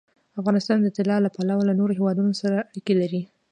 افغانستان د طلا له پلوه له نورو هېوادونو سره اړیکې لري.